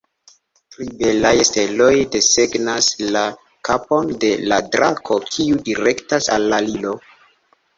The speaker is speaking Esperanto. Tri belaj steloj desegnas la kapon de la drako, kiu direktas al la Liro.